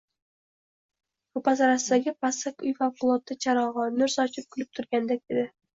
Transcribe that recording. Roʼparasidagi pastak uy favqulodda charogʼon, nur sochib, kulib turgandek edi!